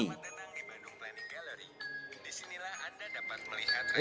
di bandung planning gallery disinilah anda dapat melihat